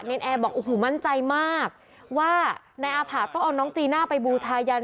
แอร์บอกโอ้โหมั่นใจมากว่านายอาผะต้องเอาน้องจีน่าไปบูชายัน